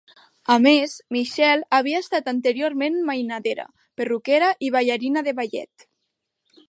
A més, Michelle havia estat anteriorment mainadera, perruquera i ballarina de ballet.